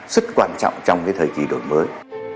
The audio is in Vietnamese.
rất quan trọng trong cái thời kỳ đổi mới